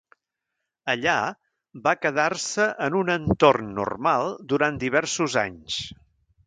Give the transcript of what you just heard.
Allà, va quedar-se en un entorn normal durant diversos anys.